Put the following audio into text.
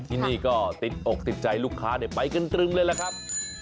ที่นี่ก็ติดอกติดใจลูกค้าไปกันตรึมเลยล่ะครับ